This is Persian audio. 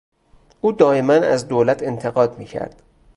او دایما از دولت انتقاد میکرد.